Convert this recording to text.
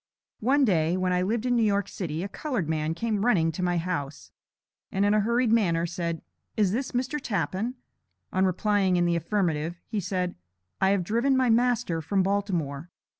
4. One day, when I lived in New York City, a colored man came running to my house, and in a hurried manner, said: "Is this Mr. Tappan?" On replying in the affirmative, he said: "I have driven my master from Baltimore.